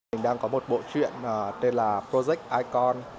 mình đang có một bộ chuyện tên là projec icon